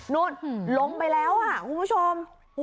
โน่นลงไปแล้วคุณผู้ชม